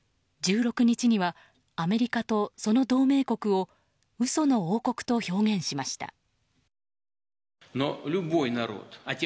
１６日にはアメリカとその同盟国を嘘の王国と表現しました。